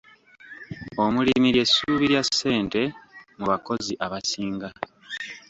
Omulimi ly'essuubi lya ssente mu bakozi abasinga.